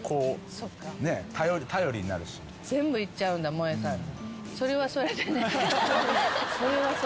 全部言っちゃうんだ萌さんに。